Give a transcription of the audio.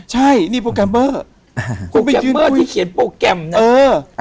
ใช่นี่โปรแกรมเบอร์โปรแกรมเมอร์ที่เขียนโปรแกรมนะเออ